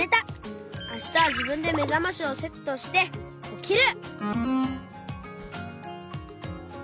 あしたはじぶんでめざましをセットしておきる！